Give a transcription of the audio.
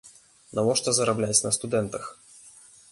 Навошта зарабляць на студэнтах?